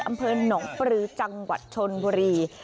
อำเภอหนองปลือจังหวัดชนบุรี